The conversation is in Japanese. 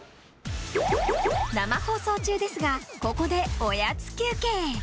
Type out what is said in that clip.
生放送中ですがここで、おやつ休憩！